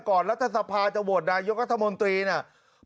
ก่อนรัฐธรรพาจะโหวตนายกราธมนตรีเนี่ย